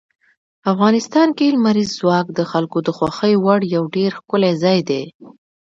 افغانستان کې لمریز ځواک د خلکو د خوښې وړ یو ډېر ښکلی ځای دی.